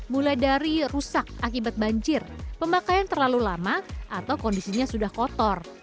mulai dari rusak akibat banjir pemakaian terlalu lama atau kondisinya sudah kotor